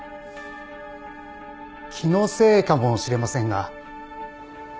気のせいかもしれませんが。